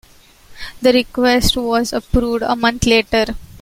The request was approved a month later.